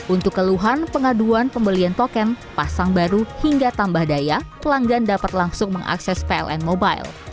untuk keluhan pengaduan pembelian token pasang baru hingga tambah daya pelanggan dapat langsung mengakses pln mobile